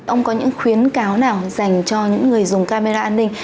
ông có những khuyến cáo nào dành cho những người dùng camera an ninh